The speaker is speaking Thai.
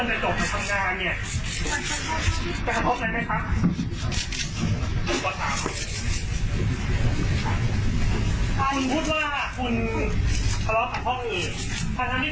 คุณคือสอสอคุณคือสะพาผู้แทนราบประดอลถ้าคุณโกหกประธานคนตั้งแต่ตอนนี้